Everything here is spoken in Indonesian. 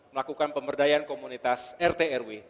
melakukan pemberdayaan komunitas rt rw